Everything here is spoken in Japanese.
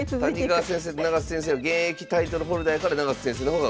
谷川先生と永瀬先生の現役タイトルホルダーやから永瀬先生の方が上。